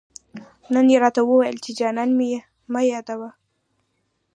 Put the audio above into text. نن يې راته وويل، چي جانان مه يادوه